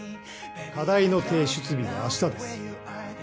課題の提出日はあしたです。